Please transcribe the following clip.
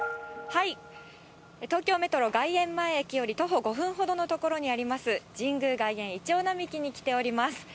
東京メトロ外苑駅前より徒歩５分ほどの所にあります、神宮外苑いちょう並木に来ております。